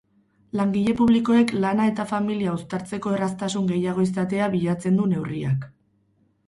Langile publikoek lana eta familia uztartzeko erraztasun gehiago izatea bilatzen du neurriak.